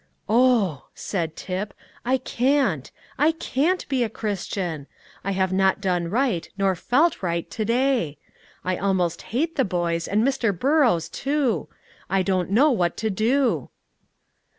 "Oh," said Tip, "I can't; I can't be a Christian! I have not done right nor felt right to day. I almost hate the boys, and Mr. Burrows too. I don't know what to do."